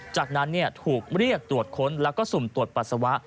จากนั้นถูกเรียกตรวจค้นแล้วก็สุ่มตรวจปัสสาวะ